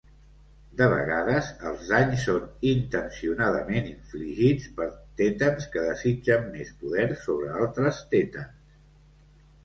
De vegades, els danys són intencionadament infligits per thetans que desitgen més poder sobre altres thetans.